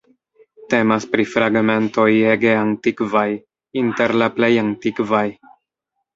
Temas pri fragmentoj ege antikvaj, inter la plej antikvaj.